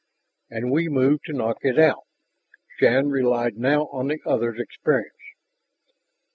"And we move to knock it out?" Shann relied now on the other's experience.